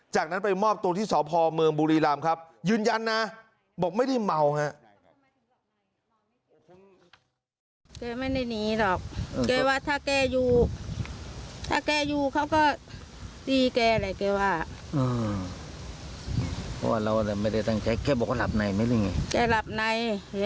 จากนั้นไปมอบตัวที่สพเมืองบุรีรำครับยืนยันนะบอกไม่ได้เมาฮะ